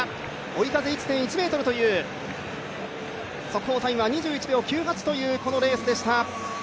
追い風１．１メートル、速報タイムは２９秒９８というこのレースでした。